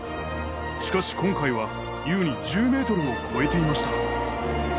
しかし今回は優に１０ｍを超えていました。